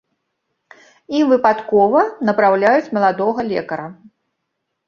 Ім выпадкова напраўляюць маладога лекара.